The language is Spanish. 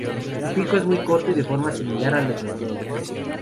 Su pico es muy corto y de forma similar al de los loros.